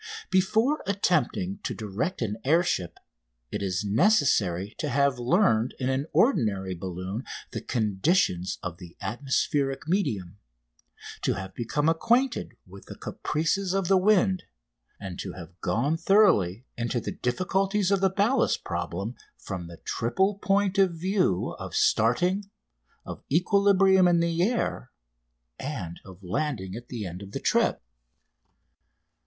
Before attempting to direct an air ship it is necessary to have learned in an ordinary balloon the conditions of the atmospheric medium, to have become acquainted with the caprices of the wind, and to have gone thoroughly into the difficulties of the ballast problem from the triple point of view of starting, of equilibrium in the air, and of landing at the end of the trip.